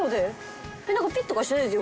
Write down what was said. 何かピッとかしてないですよ。